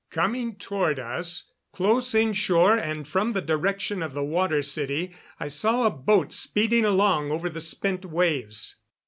Coming toward us, close inshore and from the direction of the Water City, I saw a boat speeding along over the spent waves.